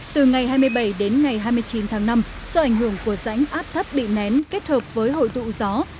từ ngày hai mươi bảy đến ngày hai mươi chín tháng năm do ảnh hưởng của rãnh áp thấp bị nén kết hợp với hội tụ gió